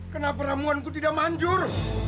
kenapa ramuanku tidak manjur